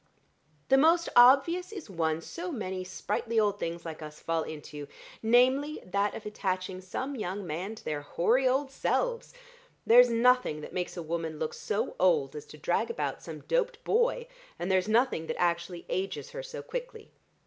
"The most obvious is one so many sprightly old things like us fall into, namely, that of attaching some young man to their hoary old selves. There's nothing that makes a woman look so old as to drag about some doped boy, and there's nothing that actually ages her so quickly.